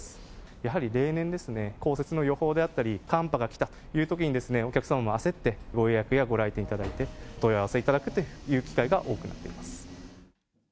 やはり例年ですね、降雪の予報であったり、寒波が来たというときに、お客様が焦って、ご予約やご来店いただいて、問い合わせいただくという機会が多くなっています。